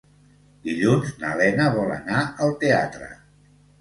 Dilluns na Lena vol anar al teatre.